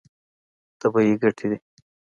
طبیعي ګټې دي.